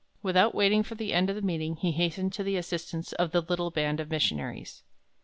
Without waiting for the end of the meeting, he hastened to the assistance of the little band of missionaries.